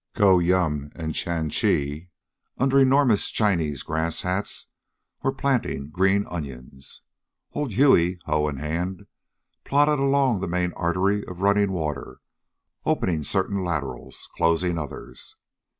Gow Yum and Chan Chi, under enormous Chinese grass hats, were planting green onions. Old Hughie, hoe in hand, plodded along the main artery of running water, opening certain laterals, closing others.